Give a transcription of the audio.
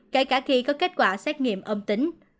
kể cả khi có kết quả xét nghiệm âm tính